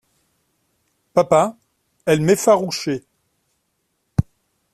Papa, elle m’effarouchait.